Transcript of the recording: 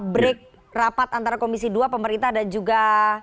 break rapat antara komisi dua pemerintah dan juga